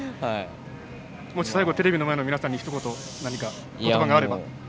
最後、テレビの前の皆さんにひと言、何かことばがあれば。